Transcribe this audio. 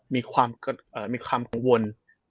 มีความกังวล